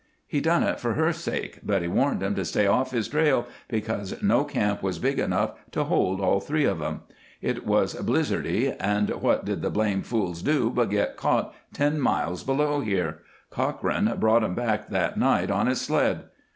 He done it for her sake, but he warned 'em to stay off his trail, because no camp was big enough to hold all three of 'em. It was blizzardy, and what did the blame' fools do but get caught ten miles below here. Cochrane brought 'em back that night on his sled.